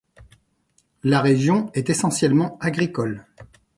La région est essentiellement agricole.